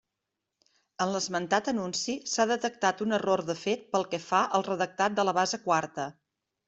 En l'esmentat anunci s'ha detectat un error de fet pel que fa al redactat de la base quarta.